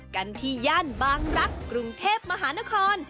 กันที่ย่านบางรักษ์กรุงเทพมหานคร